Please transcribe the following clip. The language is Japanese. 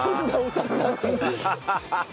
ハハハハ！